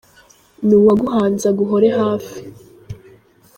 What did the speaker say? N'uwaguhanze aguhore hafi